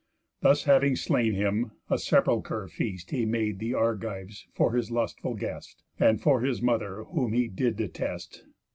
_ Thus having slain him, a sepulchral feast He made the Argives for his lustful guest, And for his mother whom he did detest.